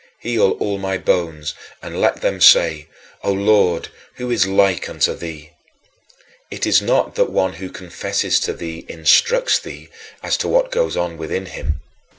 Heal all my bones and let them say, "O Lord, who is like unto thee?" It is not that one who confesses to thee instructs thee as to what goes on within him.